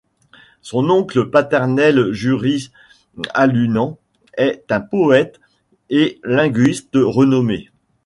Son oncle paternel Juris Alunāns est un poète et linguiste renommé.